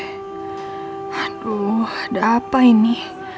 aduh ada apa ini